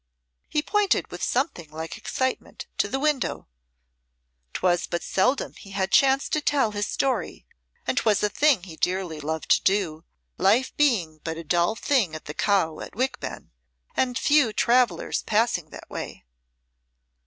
He pointed with something like excitement to the window. 'Twas but seldom he had chance to tell his story, and 'twas a thing he dearly loved to do, life being but a dull thing at the Cow at Wickben, and few travellers passing that way.